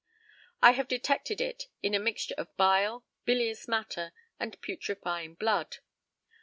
I have detected it in a mixture of bile, bilious matter, and putrifying blood.